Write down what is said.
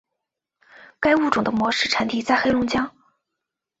该物种的模式产地在黑龙江。